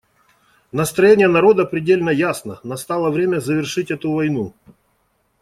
Настроение народа предельно ясно: настало время завершить эту войну.